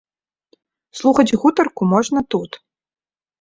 Слухаць гутарку можна тут.